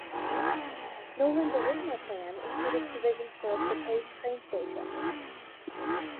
Nolen's original plan included provisions for a proposed train station.